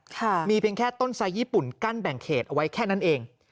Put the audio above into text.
มีเพียงแค่ต้นไซสญี่ปุ่นกั้นแบ่งเขตเอาไว้แค่นั้นเอง